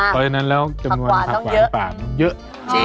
เพราะฉะนั้นเราจำนวนผักหวานป่าเยอะ